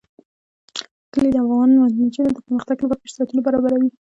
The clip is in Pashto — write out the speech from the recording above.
کلي د افغان نجونو د پرمختګ لپاره فرصتونه برابروي.